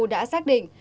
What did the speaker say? đã xác định